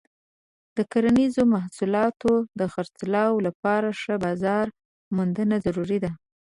د کرنیزو محصولاتو د خرڅلاو لپاره ښه بازار موندنه ضروري ده.